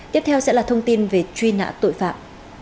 tiếp theo sẽ là thông tin về truy nã tội phạm